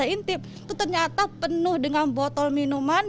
intip itu ternyata penuh dengan botol minuman